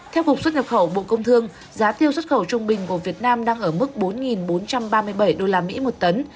theo cục xuất nhập khẩu bộ công thương giá tiêu xuất khẩu trung bình của việt nam đang ở mức bốn bốn trăm ba mươi bảy usd một tấn